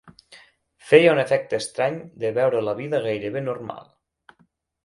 Feia un efecte estrany de veure la vida gairebé normal